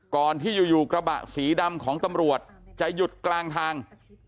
ก่อนที่อยู่กระบะสีดำของตำรวจจะหยุดกลางทาง